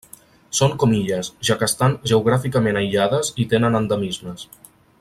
Són com illes, ja que estan geogràficament aïllades i tenen endemismes.